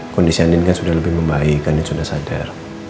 kondisi anin kan sudah lebih membaik dan sudah sadar